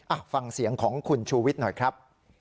ฟังเสียงของคุณชูวิทย์หน่อยครับ